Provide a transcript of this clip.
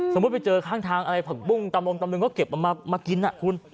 สมมุติไปเจอข้างทางอะไรผักปุ้งตำรงตำรงก็เก็บมามากินน่ะคุณ